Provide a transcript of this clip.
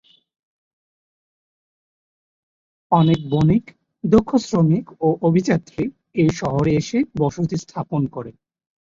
অনেক বণিক, দক্ষ শ্রমিক ও অভিযাত্রী এই শহরে এসে বসতি স্থাপন করেন।